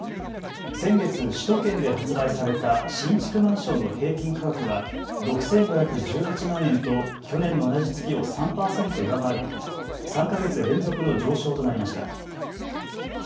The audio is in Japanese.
先月、首都圏で発売された新築マンションの平均価格は６５１８万円と去年の同じ月を３％上回り３か月連続の上昇となりました。